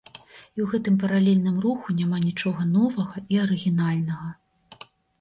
І ў гэтым паралельным руху няма нічога новага і арыгінальнага.